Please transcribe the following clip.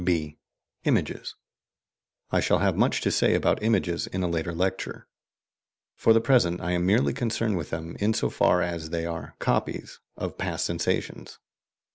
(b) IMAGES. I shall have much to say about images in a later lecture; for the present I am merely concerned with them in so far as they are "copies" of past sensations.